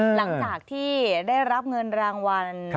หลังจากที่ได้รับเงินรางวัล